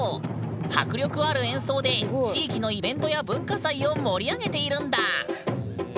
迫力ある演奏で地域のイベントや文化祭を盛り上げているんだ！